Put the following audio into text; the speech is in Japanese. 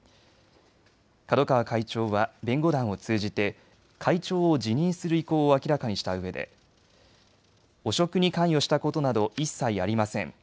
角川会長は弁護団を通じて会長を辞任する意向を明らかにしたうえで汚職に関与したことなど一切ありません。